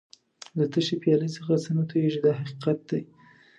له تشې پیالې څخه څه نه تویېږي دا حقیقت دی.